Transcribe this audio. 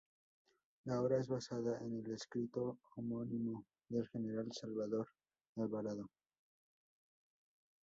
La obra es basada en el escrito homónimo del general Salvador Alvarado.